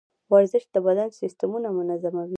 ورزش د بدن سیستمونه منظموي.